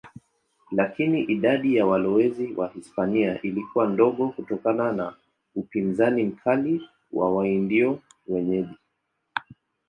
Lakini idadi ya walowezi Wahispania ilikuwa ndogo kutokana na upinzani mkali wa Waindio wenyeji.